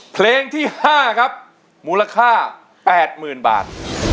เพลงที่๕ครับมูลค่า๘๐๐๐บาท